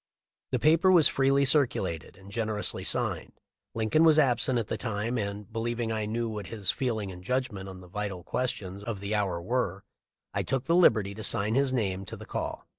The paper was freely circulated and generously signed. Lincoln was absent at the time and, believing I knew what his "feeling and judgment" on the vital questions of the hour were, I took the liberty to sign his name to the call.